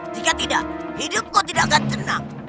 jika tidak hidup kau tidak akan tenang